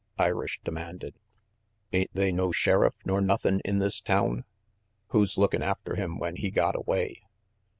" Irish demanded. "Ain't they no sheriff nor nothin' in this town? Who's lookin' after him when he got away?